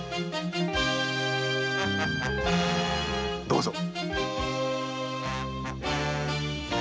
どうぞ。